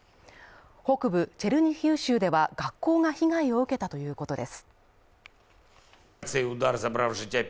北部チェルニヒウ州では、学校が被害を受けたということです。